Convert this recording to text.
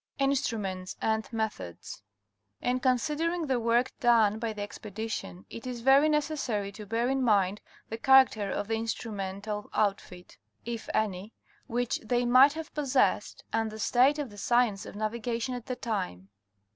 INSTRUMENTS AND MeEruops. In considering the work done by the expedition it is very necessary to bear in mind the character of the instrumental outfit, if any, which they might have possessed, and the state of the science of navigation at the time.